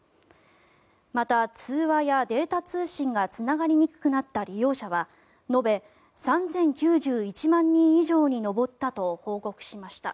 また、通話やデータ通信がつながりにくくなった利用者は延べ３０９１万人以上に上ったと報告しました。